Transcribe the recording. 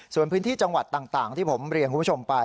ส่วนพื้นที่จังหวัดต่างที่ผมเรียนคุณผู้ชมไป